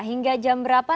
hingga jam berapa